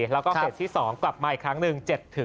แล้วก็เฟสที่๒กลับมาอีกครั้งหนึ่ง